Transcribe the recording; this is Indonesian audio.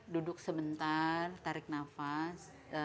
duduk sebentar tarik nafas